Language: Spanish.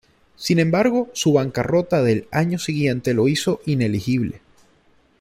Sin embargo, su bancarrota del año siguiente lo hizo inelegible.